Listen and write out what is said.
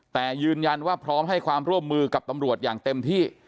แต่ยืนยันว่าพร้อมให้ความร่วมมือกับตำรวจอย่างเต็มที่